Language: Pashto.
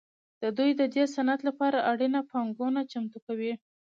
دوی د دې صنعت لپاره اړینه پانګونه چمتو کوي